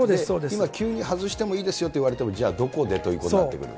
今、急に外してもいいですよと言われても、じゃあどこでということになってくる。